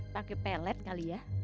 pake pelet kali ya